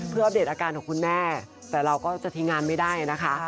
เพื่ออัปเดตอาการของคุณแม่แต่เราก็จะทิ้งงานไม่ได้นะคะ